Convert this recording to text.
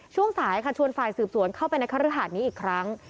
ช่วงสายค่ะชวนฝ่ายสืบสวนเข้าไปในคฤหาดนี้อีกครั้ง